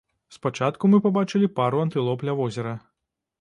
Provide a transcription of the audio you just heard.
Спачатку мы пабачылі пару антылоп ля возера.